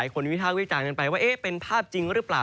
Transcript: วิภาควิจารณ์กันไปว่าเป็นภาพจริงหรือเปล่า